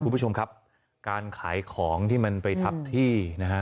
คุณผู้ชมครับการขายของที่มันไปทับที่นะฮะ